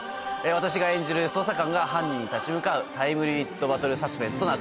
私が演じる捜査官が犯人に立ち向かうタイムリミット・バトル・サスペンスとなっております。